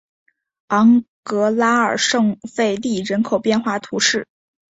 昂格拉尔圣费利人口变化图示